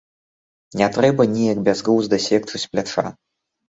Не трэба неяк бязглузда секчы з пляча.